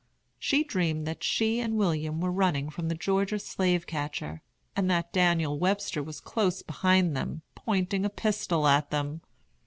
She dreamed that she and William were running from the Georgia slave catcher, and that Daniel Webster was close behind them, pointing a pistol at them.